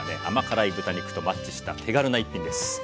甘辛い豚肉とマッチした手軽な１品です。